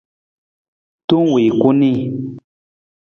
Tong wii ku nii.